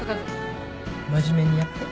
真面目にやって？